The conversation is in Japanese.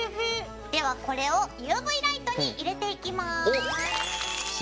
ではこれをＵＶライトに入れていきます。